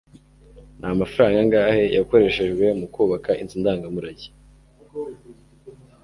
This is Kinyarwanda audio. ni amafaranga angahe yakoreshejwe mu kubaka inzu ndangamurage